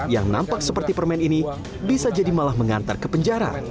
yang nampak seperti permen ini bisa jadi malah mengantar ke penjara